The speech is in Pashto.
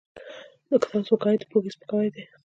د کتاب سپکاوی د پوهې سپکاوی دی.